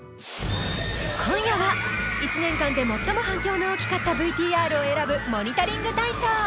今夜は一年間で最も反響の大きかったＶＴＲを選ぶモニタリング大賞！